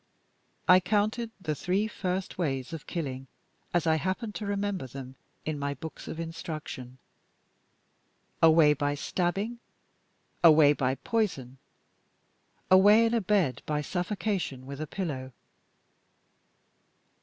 I counted the three first ways of killing as I happened to remember them, in my books of instruction: a way by stabbing; a way by poison; a way in a bed, by suffocation with a pillow.